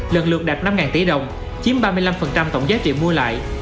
lần lượt đạt năm tỷ đồng chiếm ba mươi năm tổng giá trị mua lại